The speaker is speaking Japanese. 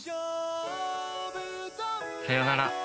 さよなら。